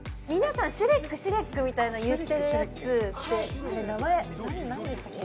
皆さん「シュレックシュレック」みたいな言ってるやつって名前何でしたっけ？